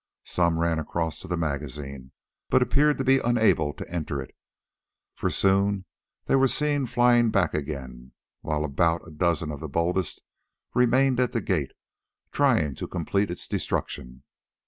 Some ran across to the magazine, but appeared to be unable to enter it, for soon they were seen flying back again, while about a dozen of the boldest remained at the gate trying to complete its destruction.